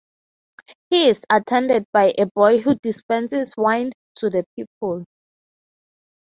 He is attended by a boy who dispenses wine to the people.